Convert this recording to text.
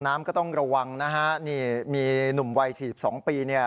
น้ำก็ต้องระวังนะฮะนี่มีหนุ่มวัย๔๒ปี